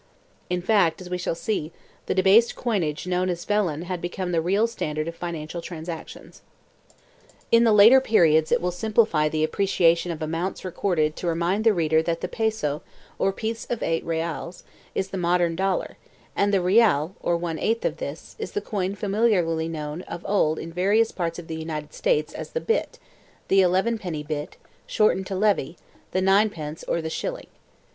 In fact, as we shall see, the debased coinage known as vellon had become the real standard of financial transactions. In the later periods it will simplify the appreciation of amounts recorded to remind the reader that the peso, or piece of 8 reales, is the modern dollar, and the real, or one eighth of this, is the coin familiarly known of old in various parts of the United States as the "bit," the "elevenpenny bit" shortened to "levy," the ninepence or the shilling.